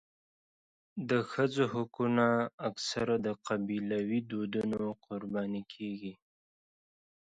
د ښځو حقونه اکثره د قبیلوي دودونو قرباني کېږي.